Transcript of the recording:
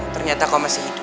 ternyata kau masih hidup